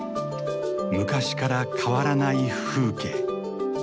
昔から変わらない風景。